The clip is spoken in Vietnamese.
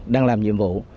đang làm nhiệm vụ